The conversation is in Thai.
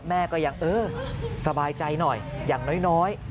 แม่ก็ยังเออสบายใจหน่อยอย่างน้อย